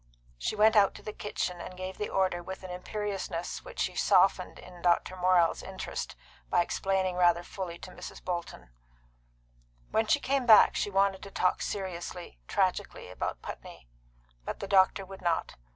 She went out to the kitchen, and gave the order with an imperiousness which she softened in Dr. Morrell's interest by explaining rather fully to Mrs. Bolton. When she came back she wanted to talk seriously, tragically, about Putney. But the doctor would not.